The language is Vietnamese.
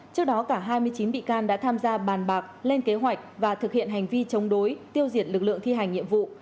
trước đó cả hai mươi chín bị can đã tham gia bàn bạc lên kế hoạch và thực hiện hành vi chống đối tiêu diệt lực lượng thi hành nhiệm vụ